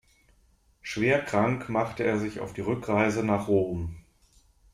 Schwer krank machte er sich auf die Rückreise nach Rom.